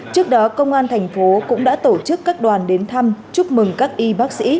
trước đó công an thành phố cũng đã tổ chức các đoàn đến thăm chúc mừng các y bác sĩ